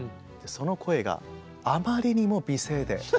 その声があまりにも美声で。